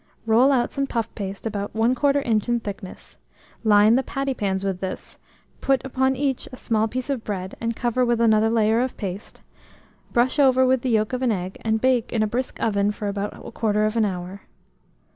Roll out some puff paste about 1/4 inch in thickness; line the patty pans with this, put upon each a small piece of bread, and cover with another layer of paste; brush over with the yolk of an egg, and bake in a brisk oven for about 1/4 hour.